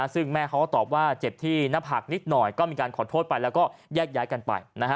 ซึ่งแม่เขาก็ตอบว่าเจ็บที่หน้าผากนิดหน่อยก็มีการขอโทษไปแล้วก็แยกย้ายกันไป